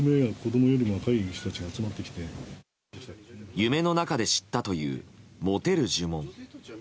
夢の中で知ったというモテる呪文。